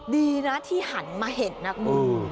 ดีนะที่หันมาเห็นนะคุณ